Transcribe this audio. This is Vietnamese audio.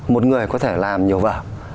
một người có thể làm nhiều vợ